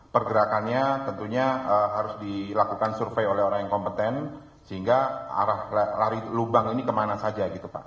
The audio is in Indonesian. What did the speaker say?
pergerakannya tentunya harus dilakukan survei oleh orang yang kompeten sehingga arah lari lubang ini kemana saja gitu pak